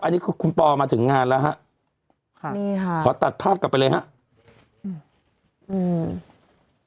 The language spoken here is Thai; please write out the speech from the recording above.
อันนี้คือคุณปอมาถึงงานแล้วฮะค่ะนี่ค่ะขอตัดภาพกลับไปเลยฮะอืม